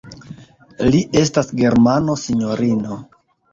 Li estas Germano, sinjorino.